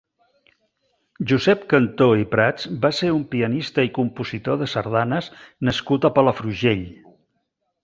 Josep Cantó i Prats va ser un pianista i compositor de sardanes nascut a Palafrugell.